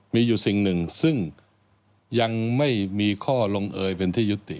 มีอยู่สิ่งหนึ่งซึ่งยังไม่มีข้อลงเอยเป็นที่ยุติ